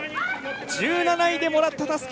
１７位でもらったたすき。